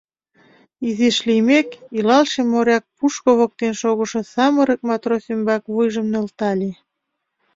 — Изиш лиймек, илалше моряк пушко воктен шогышо самырык матрос ӱмбак вуйжым нӧлтале.